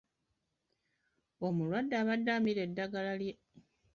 Omulwadde abadde amira ddagala lye.